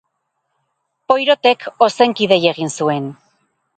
Poirotek ozenki dei egin zuen.